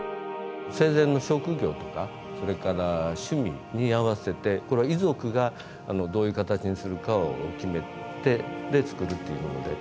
生前の職業とかそれから趣味に合わせてこれは遺族がどういう形にするかを決めてで作るというもので。